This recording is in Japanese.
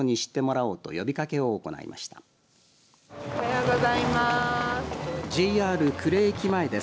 おはようございます。